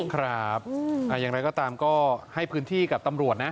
ครับอย่างไรก็ตามก็ให้พื้นที่กับตำรวจนะ